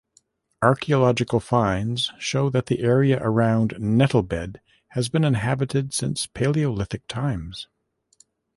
Archaeological finds show that the area around Nettlebed has been inhabited since Palaeolithic times.